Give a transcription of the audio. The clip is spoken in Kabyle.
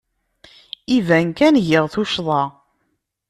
Iban kan giɣ tuccḍa.